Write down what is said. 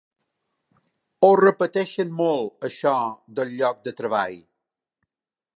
Ho repeteixen molt, això del lloc de treball.